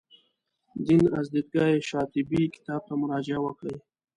دین از دیدګاه شاطبي کتاب ته مراجعه وکړئ.